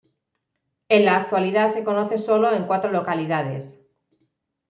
En la actualidad se conoce sólo en cuatro localidades.